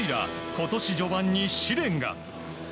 今年序盤に試練が。